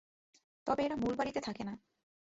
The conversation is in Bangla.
তবে এরা মূল বাড়িতে থাকে না!